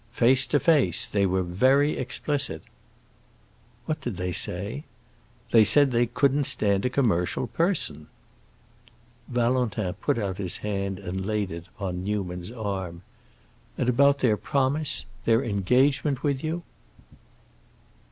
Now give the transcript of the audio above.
"Face to face. They were very explicit." "What did they say?" "They said they couldn't stand a commercial person." Valentin put out his hand and laid it upon Newman's arm. "And about their promise—their engagement with you?"